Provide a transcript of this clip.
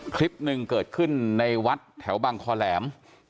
คลิปหนึ่งเกิดขึ้นในวัดแถวบางคอแหลม